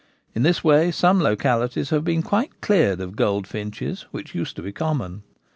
In this way some localities have been quite cleared of goldfinches, which used to be common.